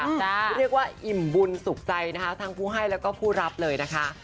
เรียกว่าอิ่มบุญสุขใจนะคะทั้งผู้ให้แล้วก็ผู้รับเลยนะคะ